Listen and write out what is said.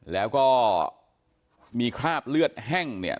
แล้วก็มีคราบเลือดแห้งเนี่ย